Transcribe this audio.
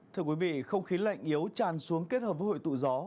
thưa quý vị không khí lạnh yếu tràn xuống kết hợp với hội tụ gió